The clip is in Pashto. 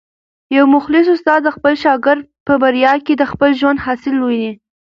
یو مخلص استاد د خپل شاګرد په بریا کي د خپل ژوند حاصل ویني.